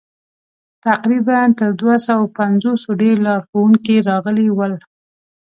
تقریباً تر دوه سوه پنځوسو ډېر لارښوونکي راغلي ول.